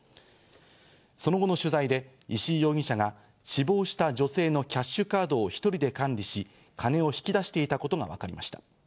その後の取材で石井容疑者が死亡した女性のキャッシュカードを１人で管理し、金を引き出していたことがわかりました。